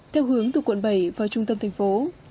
theo hướng từ quận bảy vào trung tâm thành phố